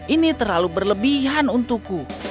ini terlalu berlebihan untukku